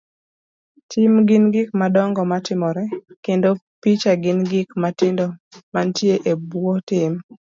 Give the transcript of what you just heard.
Tim gin gik madongo matimore, kendo picha gin gik matindo mantie ebwo tim.